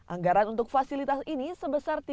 anggaran untuk kampanye diberi lima miliar rupiah